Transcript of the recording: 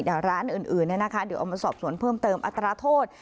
เดี๋ยวร้านอื่นเนี่ยนะคะเดี๋ยวเอามาสอบสวนเพิ่มเติมอัตราโทษ